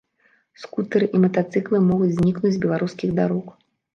Скутэры і матацыклы могуць знікнуць з беларускіх дарог.